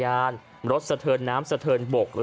พอพาไปดูก็จะพาไปดูที่เรื่องของเครื่องบินเฮลิคอปเตอร์ต่าง